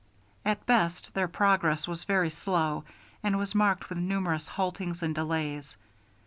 At best their progress was very slow and was marked with numerous haltings and delays.